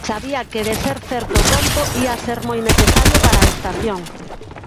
Sabía que, de ser certo o conto, ía ser moi necesario para a estación.